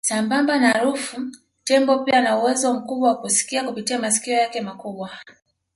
Sambamba na harufu tembo pia ana uwezo mkubwa wa kusikia kupitia masikio yake makubwa